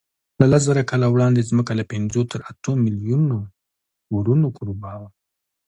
له لسزره کاله وړاندې ځمکه له پینځو تر اتو میلیونو کورونو کوربه وه.